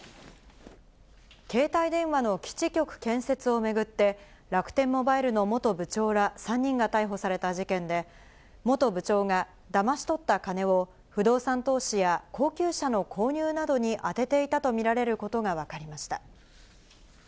携帯電話の基地局建設を巡って、楽天モバイルの元部長ら３人が逮捕された事件で、元部長がだまし取った金を不動産投資や、高級車の購入などに充てていたと見られることが分かりました。